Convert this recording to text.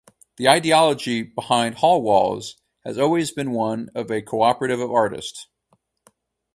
The ideology behind Hallwalls has always been one of a cooperative of artists.